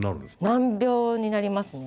難病になりますね。